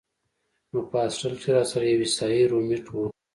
نو پۀ هاسټل کښې راسره يو عيسائي رومېټ وۀ